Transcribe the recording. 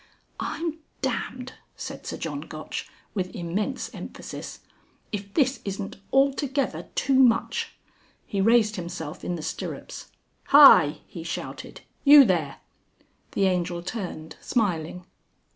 "I'm damned," said Sir John Gotch, with immense emphasis; "if this isn't altogether too much." He raised himself in the stirrups. "Hi!" he shouted. "You there!" The Angel turned smiling.